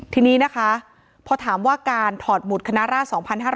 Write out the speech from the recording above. ทีนี้นะคะพอถามว่าการถอดหมุดคณะราช๒๕๕๙